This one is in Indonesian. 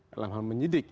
dalam hal menyidik